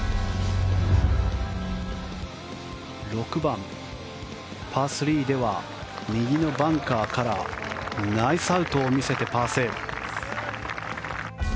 ６番、パー３では右のバンカーからナイスアウトを見せてパーセーブ。